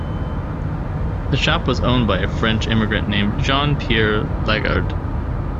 The shop was owned by a French immigrant named Jean-Pierre Lagarde.